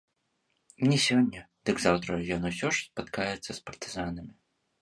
Не сёння, дык заўтра ён усё ж спаткаецца з партызанамі.